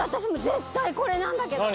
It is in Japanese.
絶対これなんだけど。